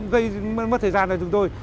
gây mất thời gian cho chúng tôi